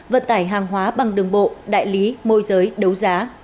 vận tải hàng hóa bằng đường bộ đại lý môi giới đấu giá